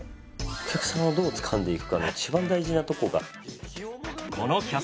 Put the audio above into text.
お客さんをどうつかんでいくかの一番大事なとこが。